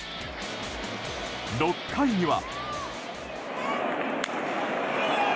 ６回には。